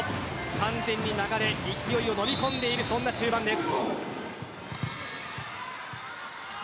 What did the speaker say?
完全に流れ勢いをのみ込んでいるそんな中盤です。